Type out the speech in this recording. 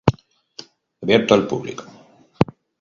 Abierto al público.